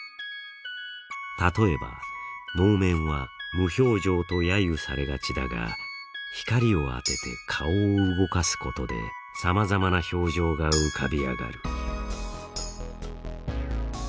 例えば能面は無表情とやゆされがちだが光を当てて顔を動かすことでさまざまな表情が浮かび上がる。